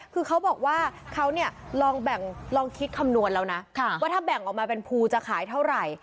คือเขาบอกว่าเขาเนี่ยลองคิดคำนวณแล้วนะว่าถ้าแบ่งออกมาเป็นภูจะขายเท่าไหร่